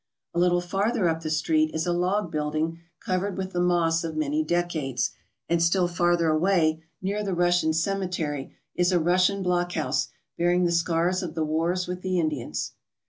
A little farther up the street is a log building covered with the moss of many decades, and still farther away, near the Russian cemetery, is a Russian blockhouse bear ing the scars of the wars with the Indians.